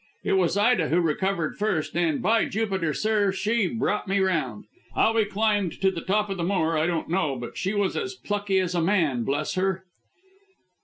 It was Ida who recovered first, and, by Jupiter, sir, she brought me round! How we climbed to the top of the moor I don't know, but she was as plucky as a man, bless her!"